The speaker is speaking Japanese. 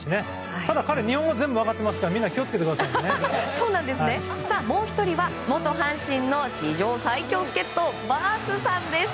ただ彼、日本語は全部分かってますからもう１人は元阪神の史上最強助っ人バースさんです。